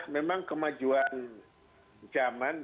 memang kemajuan zaman